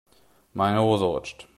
Meine Hose rutscht.